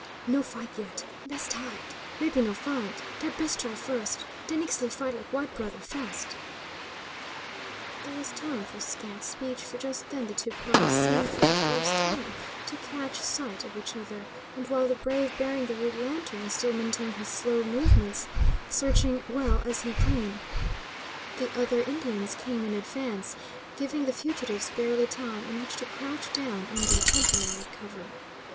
"No fight, yet. Best hide; mebbe no find; dat best try first. Den Ixtli fight like white brother, fast!" There was time for scant speech, for just then the two parties seemed, for the first time, to catch sight of each other, and while the brave bearing the rude lantern still maintained his slow movements, searching well as he came, the other Indians came in advance, giving the fugitives barely time in which to crouch down under temporary cover.